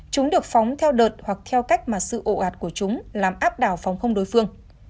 chúng được phóng theo đợt hoặc theo cách mà sự ổ ạt của chúng làm áp đảo phòng không đối phương